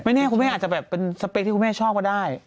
แน่คุณแม่อาจจะแบบเป็นสเปคที่คุณแม่ชอบก็ได้